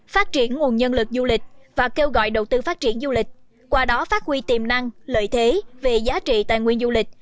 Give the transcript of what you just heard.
phát triển nguồn nhân lực du lịch và kêu gọi đầu tư phát triển du lịch qua đó phát huy tiềm năng lợi thế về giá trị tài nguyên du lịch